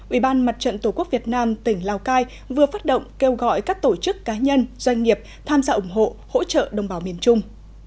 ubnd tqvn tỉnh lào cai vừa phát động kêu gọi các tổ chức cá nhân doanh nghiệp tham gia ủng hộ hỗ trợ đồng bào miền trung